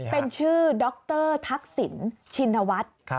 เป็นชื่อดรทักษิณชินวัฒน์